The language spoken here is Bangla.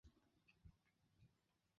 তুমি কি সত্যিই ভেবেছিলে তুমি পালাতে পারবে।